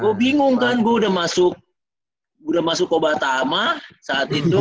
gue bingung kan gue udah masuk udah masuk ke obatama saat itu